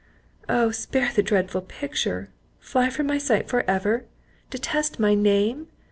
"Oh spare the dreadful picture.—Fly from my sight for ever! Detest my name!